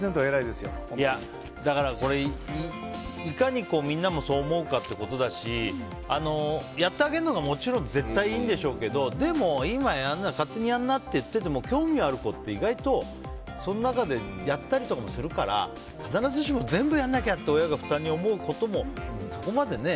だから、いかにみんなもそう思うかってことだしやってあげるのがもちろん絶対にいいんでしょうけどでも、今やるなら勝手にやりなって言っても興味ある子って意外と、その中でやったりとかするから必ずしも全部やらなきゃって親が負担に思うことも、そこまでね。